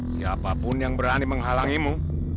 siapapun yang berani menghalangimu